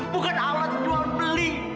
bukan alat jual beli